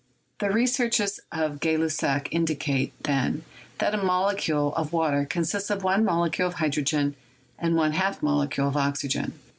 The researches of Gay Lussac indicate, then, that a molecule of water consists of one molecule of hydrogen and one half molecule of oxygen.